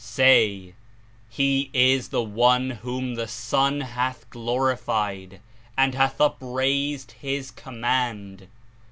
Say: He is the One whom the Son hath glorified, and ^f T.^/^'if hath upraised His Command.